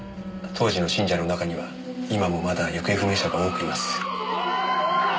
当時の信者の中には今もまだ行方不明者が多くいます。